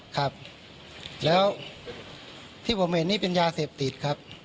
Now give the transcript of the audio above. ครับแล้วที่ผมเห็นนี่เป็นยาเสพติดครับ